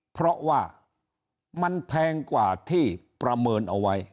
เพราะว่ามันแพงกว่าที่ประเมินเอาไว้